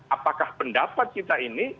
apakah pendapat kita ini